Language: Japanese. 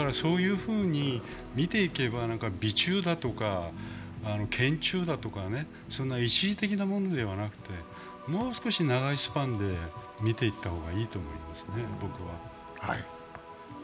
だから、そういうふうに見ていけば媚中だとか、嫌中だとか、一時的なものではなくて、もう少し長いスパンで見ていったほうがいいと思います。